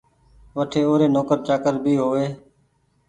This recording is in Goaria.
وٺي او ري نوڪر چآڪر ڀي هووي